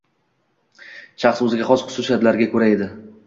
Shaxs o‘ziga xos xususiyatlariga ko‘ra edi.